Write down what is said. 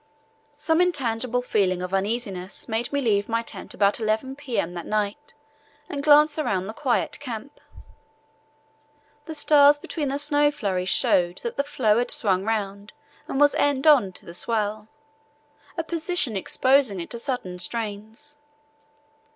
Some intangible feeling of uneasiness made me leave my tent about 11 p.m. that night and glance around the quiet camp. The stars between the snow flurries showed that the floe had swung round and was end on to the swell, a position exposing it to sudden strains.